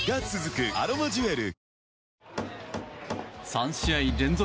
３試合連続